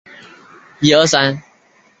尖楣圆拱龛的龛楣上有七佛的浮雕。